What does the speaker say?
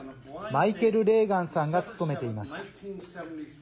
マイケル・レーガンさんが務めていました。